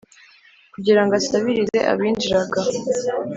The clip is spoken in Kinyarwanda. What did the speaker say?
Kugira ngo asabirize abinjiraga